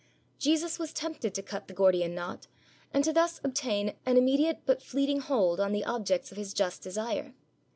Jesus was tempted to cut the Gordian knot, and to thus obtain an immediate but fleeting hold on the objects of His just desire.